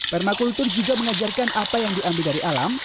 permakultur juga mengajarkan apa yang diambil dari alam